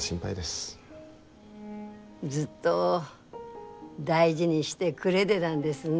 ずっと大事にしてくれでだんですね。